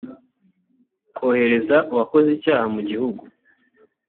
kohereza uwakoze icyaha mu gihugu